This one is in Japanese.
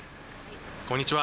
こんにちは。